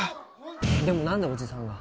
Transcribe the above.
でもなんでおじさんが。